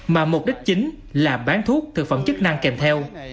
mà mục đích chính là bán thuốc thực phẩm chức năng kèm theo